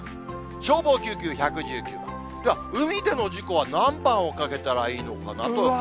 消防・救急、１１９番、では、海での事故は何番をかけたらいいのかなと。